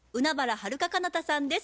はるか・かなたさんです。